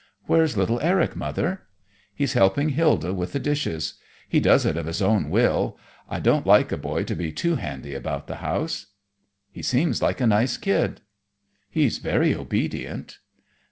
"Where's little Eric, Mother?" "He's helping Hilda with the dishes. He does it of his own will; I don't like a boy to be too handy about the house." "He seems like a nice kid." "He's very obedient."